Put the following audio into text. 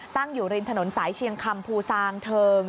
ตั้งอยู่ริมถนนสายเชียงคำภูซางเทิง